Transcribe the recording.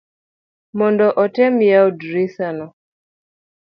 mondo otem yawo drisa no